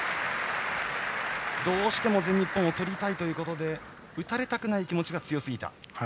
どうしても全日本を取りたいということで打たれたくない気持ちが強すぎた。